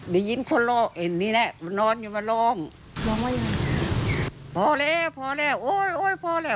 สามารถมึงที่แอบอยู่นั่นแหละ